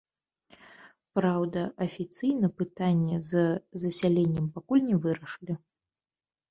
Праўда, афіцыйна пытанне з засяленнем пакуль не вырашылі.